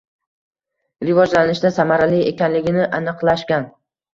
Rivojlanishida samarali ekanligi aniqlashgan